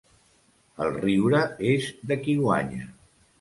El riure és de qui guanya.